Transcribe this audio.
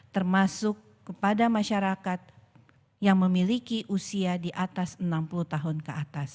termasuk kepada masyarakat yang memiliki usia di atas enam puluh tahun ke atas